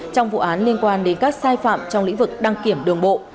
trong vụ án liên quan đến các sai phạm trong lĩnh vực đăng kiểm đường bộ